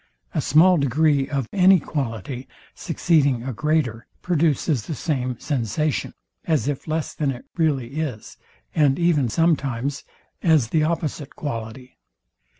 A small degree of any quality, succeeding a greater, produces the same sensation, as if less than it really is, and even sometimes as the opposite quality.